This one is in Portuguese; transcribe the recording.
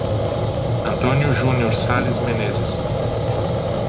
Antônio Junior Sales Menezes